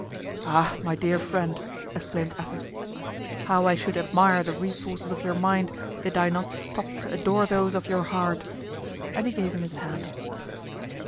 "Ah! my dear friend," exclaimed Athos, "how I should admire the resources of your mind did I not stop to adore those of your heart." And he gave him his hand.